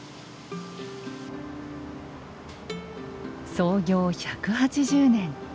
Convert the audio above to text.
創業１８０年。